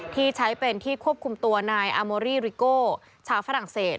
ที่ใช้เป็นที่ควบคุมตัวนายอาโมรี่ริโก้ชาวฝรั่งเศส